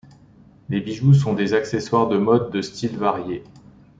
Les bijoux sont des accessoires de mode de styles variés.